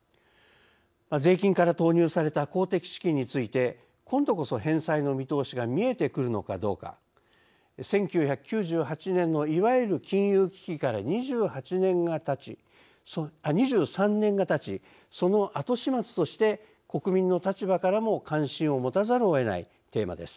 税金から投入された公的資金について今度こそ返済の見通しが見えてくるのかどうか１９９８年のいわゆる金融危機から２３年がたちその後始末として国民の立場からも関心を持たざるをえないテーマです。